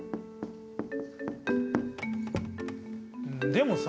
でもさ